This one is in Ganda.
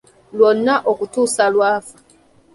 lwonna okutuusa lw’afa.